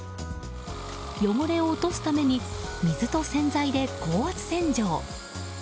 汚れを落とすために水と洗剤で高圧洗浄。